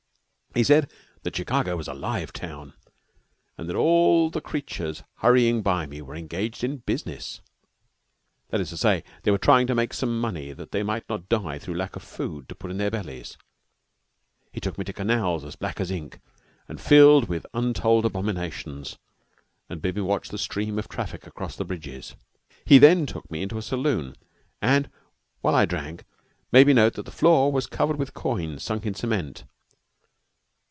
He said that Chicago was a live town, and that all the creatures hurrying by me were engaged in business. That is to say they were trying to make some money that they might not die through lack of food to put into their bellies. He took me to canals as black as ink, and filled with un told abominations, and bid me watch the stream of traffic across the bridges. He then took me into a saloon, and while I drank made me note that the floor was covered with coins sunk in cement.